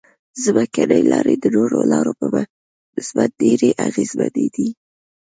ځمکنۍ لارې د نورو لارو په نسبت ډېرې اغیزمنې دي